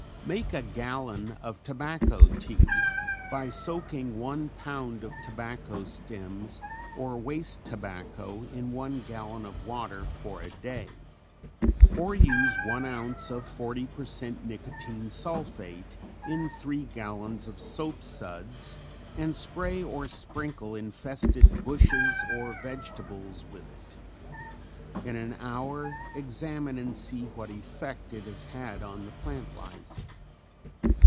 Make a gallon of tobacco tea by soaking one pound of tobacco stems or waste tobacco in one gallon of water for a day or use one ounce of forty per cent nicotine sulphate in three gallons of soap suds and spray or sprinkle infested bushes or vegetables with it. In an hour examine and see what effect it has had on the plant lice.